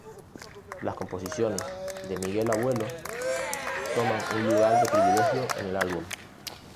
Las composiciones de Miguel Abuelo toman un lugar de privilegio en el álbum.